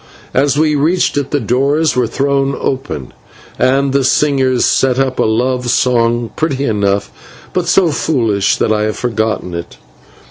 As we reached it the doors were thrown open and the singers set up a love song, pretty enough, but so foolish that I have forgotten it.